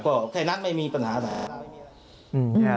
ก็แค่นั้นไม่มีปัญหานะครับ